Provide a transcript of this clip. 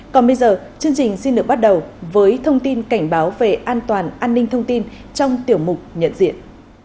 còn bây giờ chương trình xin được bắt đầu với thông tin cảnh báo về an toàn an ninh thông tin trong tiểu mục nhận diện